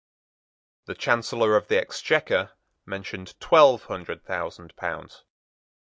The Chancellor of the Exchequer mentioned twelve hundred thousand pounds.